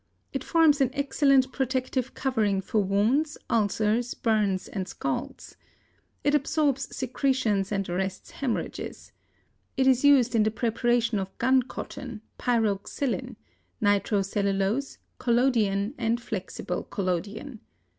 It forms an excellent protective covering for wounds, ulcers, burns and scalds. It absorbs secretions and arrests hemorrhages. It is used in the preparation of gun cotton (pyroxylin) nitro cellulose, collodion and flexible collodion.